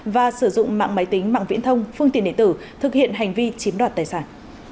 và sử dụng mạng máy tính mạng viễn thông phương tiện điện tử thực hiện hành vi chiếm đoạt tài sản